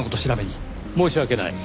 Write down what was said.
申し訳ない。